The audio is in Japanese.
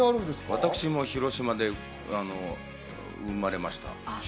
私も広島で生まれました。